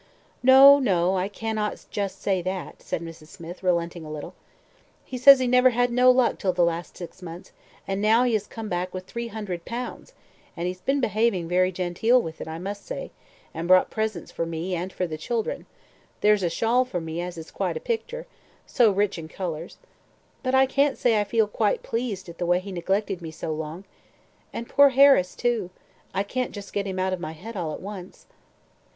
"No, no, I cannot just say that," said Mrs. Smith, relenting a little, "He says he never had no luck till the last six months, and now he has come back with three hundred pounds; and he's been behaving very genteel with it, I must say, and brought presents for me and for the children there's a shawl for me as is quite a picter so rich in the colours; but I can't say I feel quite pleased at the way he neglected me so long. And poor Harris, too; I can't just get him out of my head all at once."